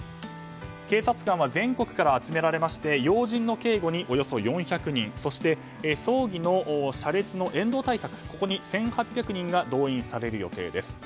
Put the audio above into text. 警察官は全国から集められまして要人の警護におよそ４００人葬儀の車列の沿道対策に１８００人が動員される予定です。